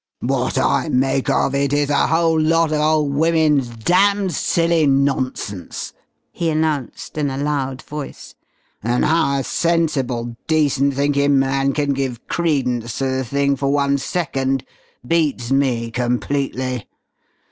"What I make of it is a whole lot of old women's damn silly nonsense!" he announced in a loud voice. "And how a sensible, decent thinkin' man can give credence to the thing for one second beats me completely!